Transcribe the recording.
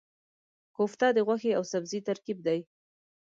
کوفته د غوښې او سبزي ترکیب دی.